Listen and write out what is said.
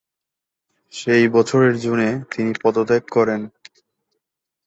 সেই বছরের জুনে তিনি পদত্যাগ করেন।